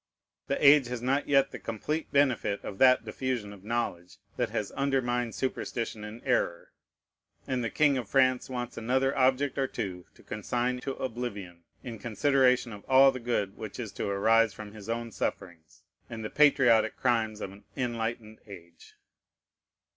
The age has not yet the complete benefit of that diffusion of knowledge that has undermined superstition and error; and the king of France wants another object or two to consign to oblivion, in consideration of all the good which is to arise from his own sufferings, and the patriotic crimes of an enlightened age.